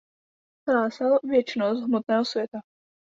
Hlásal věčnost hmotného světa.